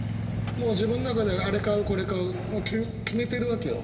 もう自分の中であれ買うこれ買う決めてるわけよ。